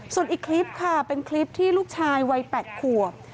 ส่วนอีกคลิปค่ะเป็นคลิปที่ลูกชายวัย๘ขวบ